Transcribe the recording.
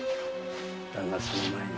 だがその前に。